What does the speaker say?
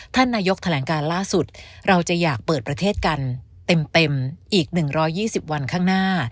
ท่านนายกแถลงการล่าสุดเราจะอยากเปิดประเทศกันเต็มอีก๑๒๐วันข้างหน้า